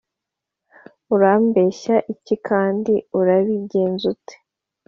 urambeshya iki kandi?urabigenza ute?